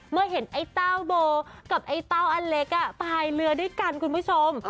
เมื่อเห็นไอ้เต้าโบกับไอ้เต้าอเล็กตายเรือด้วยกันคุณผู้ชม